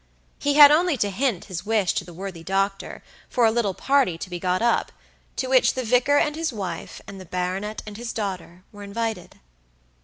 He had only to hint his wish to the worthy doctor for a little party to be got up, to which the vicar and his wife, and the baronet and his daughter, were invited.